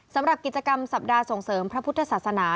สำหรับกิจกรรมสัปดาห์ส่งเสริมพระพุทธศาสนา